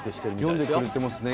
読んでくれてますね。